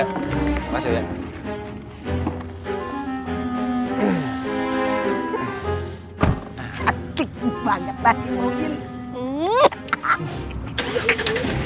aduh banget banget mobil